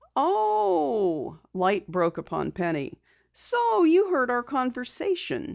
"Oh!" Light broke upon Penny. "So you heard our conversation!